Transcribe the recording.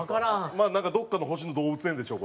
まあなんかどこかの星の動物園でしょう